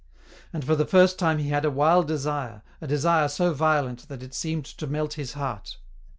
And for the first time he had a wild desire, a desire so violent that it seemed to melt his heart.